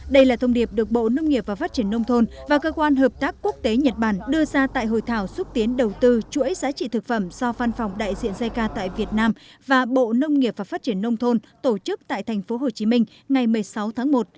đây là thông điệp được bộ nông nghiệp và phát triển nông thôn và cơ quan hợp tác quốc tế nhật bản đưa ra tại hội thảo xúc tiến đầu tư chuỗi giá trị thực phẩm do phan phòng đại diện jica tại việt nam và bộ nông nghiệp và phát triển nông thôn tổ chức tại tp hcm ngày một mươi sáu tháng một